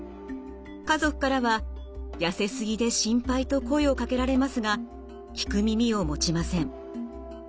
家族からは痩せすぎで心配と声をかけられますが聞く耳を持ちません。